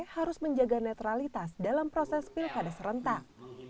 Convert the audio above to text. harus menjaga netralitas dalam proses pilkades rentak